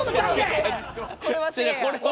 違う違うこれは。